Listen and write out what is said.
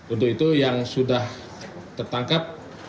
untuk itu yang sudah tertangkap